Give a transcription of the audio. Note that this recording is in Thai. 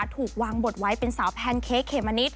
ถูกวางบทไว้เป็นสาวแพนเค้กเขมมะนิด